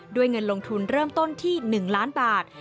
เงินลงทุนเริ่มต้นที่๑ล้านบาท